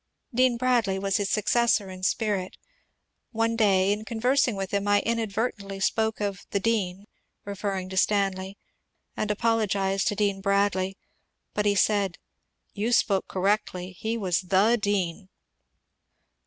Dean Bradley was his successor in spirit. One day in con versing with him I inadvertently spoke of ^^ the dean " (refer ring to Stanley) and apologized to Dean Bradley ; but he said, You spoke correctly ; he was tJ^ dean."